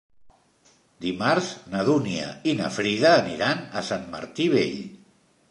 Dimarts na Dúnia i na Frida aniran a Sant Martí Vell.